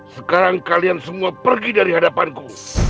sekarang kalian semua pergi dari hadapanku